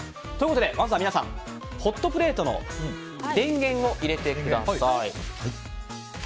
まずは皆さん、ホットプレートの電源を入れてください。